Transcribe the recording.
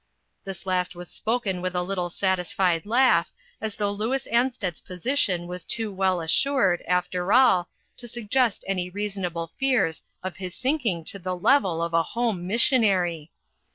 This last was spoken with a little satisfied laugh, as though Louis Ansted's position was too well assured, after all, to suggest any reasonable fears of his sinking to the level of a home missionary